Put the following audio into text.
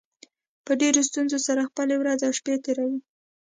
په ډېرو ستونزو سره خپلې ورځې او شپې تېروو